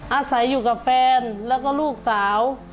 อาศัยอยู่กับแฟนแล้วก็ลูกสาว